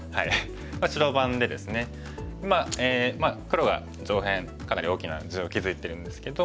黒が上辺かなり大きな地を築いてるんですけど。